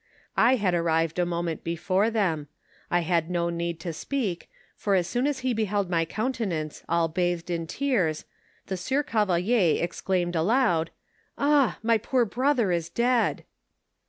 I had ar rived a moment before them ; I had no need to speak, for as soon as he beheld my countenance all bathed in tearp^ the sieur Cavelier exclaimed aloud, "Ah! my poor brother is dead!"